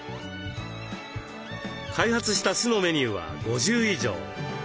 開発した酢のメニューは５０以上。